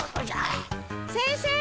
先生！